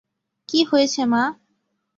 কী হয়েছে, মা?